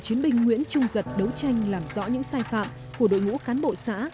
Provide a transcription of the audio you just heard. chiến binh nguyễn trung giật đấu tranh làm rõ những sai phạm của đội ngũ cán bộ xã